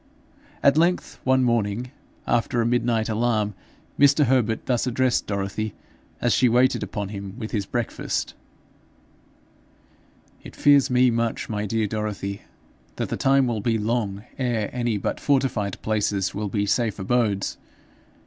At length one morning, after a midnight alarm, Mr. Herbert thus addressed Dorothy, as she waited upon him with his breakfast: 'It fears me much, my dear Dorothy, that the time will be long ere any but fortified places will be safe abodes.